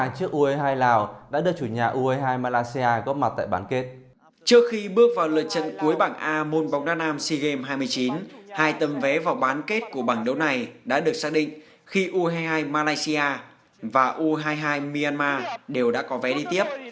trước khi game hai mươi chín hai tầm vé vào bán kết của bảng đấu này đã được xác định khi u hai mươi hai malaysia và u hai mươi hai myanmar đều đã có vé đi tiếp